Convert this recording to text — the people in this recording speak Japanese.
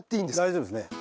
大丈夫ですね。